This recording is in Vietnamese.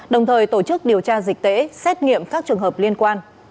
đồng thời tổ chức điều tra dịch tễ xét nghiệm các trường hợp liên quan